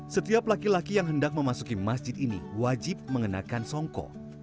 setiap laki laki yang hendak memasuki masjid ini wajib mengenakan songko